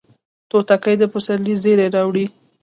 توتکۍ د پسرلي زیری راوړي